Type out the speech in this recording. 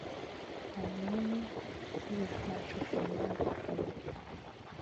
Nam Min kulufn ma cufina zi funa.